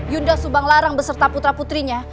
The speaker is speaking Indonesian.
yunda subang larang beserta putra putrinya